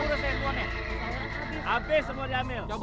jangan berbual ayo